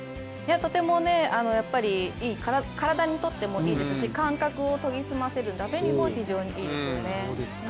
とても体にとってもいいですし、感覚を研ぎ澄ませるためにも非常にいいですよね。